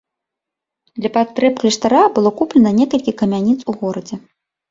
Для патрэб кляштара было куплена некалькі камяніц у горадзе.